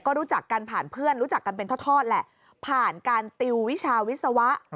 ก็รู้จักกันผ่านเพื่อนรู้จักกันเป็นทอดแหละผ่านการติววิชาวิศวะ